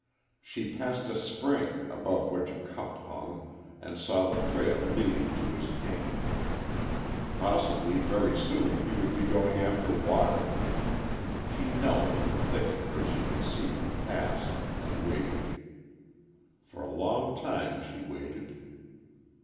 She passed a spring, above which a cup hung, and saw the trail leading to his camp. Possibly very soon he would be going after water. She knelt in a thicket where she could see him pass, and waited. For a long time she waited.